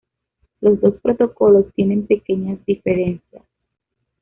Los dos protocolos tienen pequeñas diferencias.